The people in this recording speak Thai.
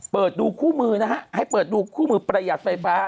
เปิดดูคู่มือนะฮะให้เปิดดูคู่มือประหยัดไฟฟ้า